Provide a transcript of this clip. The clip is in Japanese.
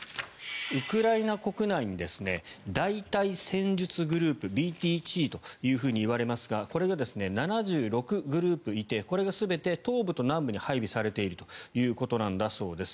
ウクライナ国内に大隊戦術グループ・ＢＴＧと言われますがこれが７６グループいてこれが全て東部と南部に配備されているということです。